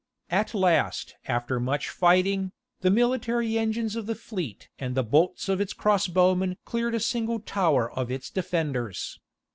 At last, after much fighting, the military engines of the fleet and the bolts of its crossbowmen cleared a single tower of its defenders.